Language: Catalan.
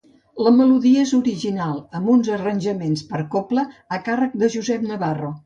La melodia és l'original, amb uns arranjaments per cobla a càrrec de Josep Navarro.